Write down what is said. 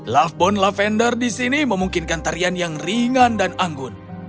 lafbon lavender di sini memungkinkan tarian yang ringan dan anggun